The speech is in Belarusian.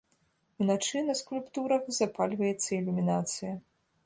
Уначы на скульптурах запальваецца ілюмінацыя.